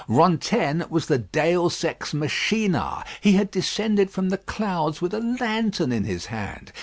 Rantaine was the Deus ex machina. He had descended from the clouds with a lantern in his hand.